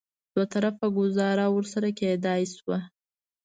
دوه طرفه ګوزاره ورسره کېدای شوه.